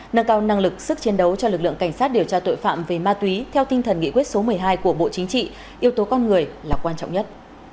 nâng cao năng lực sức chiến đấu cho lực lượng cảnh sát điều tra tội phạm về ma túy theo tinh thần nghị quyết số một mươi hai của bộ chính trị yếu tố con người là quan trọng nhất